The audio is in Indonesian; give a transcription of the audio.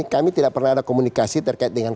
kami tidak pernah ada komunikasi terkait dengan